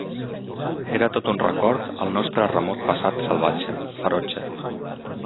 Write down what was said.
Era tot un record al nostre remot passat salvatge, ferotge.